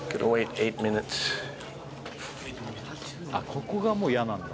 ここがもう嫌なんだ。